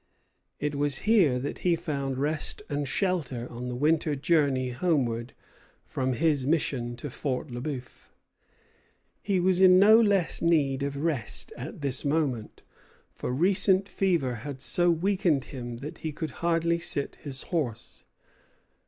It was here that he found rest and shelter on the winter journey homeward from his mission to Fort Le Bœuf. He was in no less need of rest at this moment; for recent fever had so weakened him that he could hardly sit his horse.